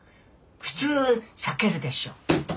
普通避けるでしょ。